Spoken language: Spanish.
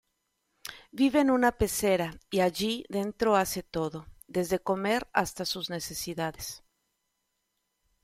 Vive en una pecera y allí dentro hace todo, desde comer hasta sus necesidades.